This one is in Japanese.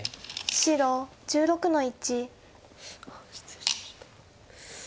白１７の一。